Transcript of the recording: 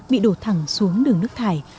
bị đổ thẳng xuống đường nước thải